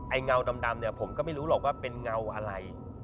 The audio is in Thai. เงาดำเนี่ยผมก็ไม่รู้หรอกว่าเป็นเงาอะไร